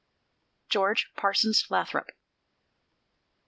GEORGE PARSONS LATHROP.